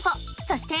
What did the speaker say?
そして。